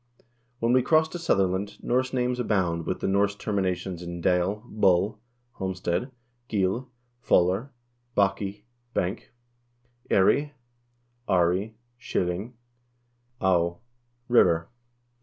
When we cross to Sutherland, Norse names abound with the Norse termi nations in dale, boll ('homestead'), gil, vollr, balcki ('bank'), ery ( ary, 'shieling'), d ('river').